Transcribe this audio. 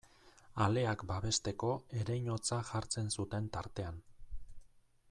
Aleak babesteko ereinotza jartzen zuten tartean.